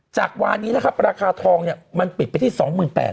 จากวานี้ราคาทองปิดไปที่๒๘๐๐๐บาท